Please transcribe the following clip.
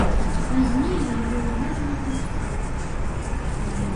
Пазней ён быў вернуты ў скарб.